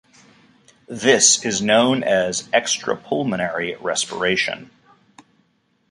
This is known as extrapulmonary respiration.